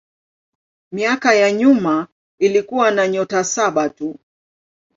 Miaka ya nyuma ilikuwa na nyota saba tu.